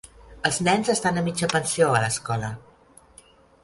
Els nens estan a mitja pensió a l'escola.